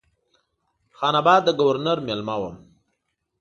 خان آباد د ګورنر مېلمه وم.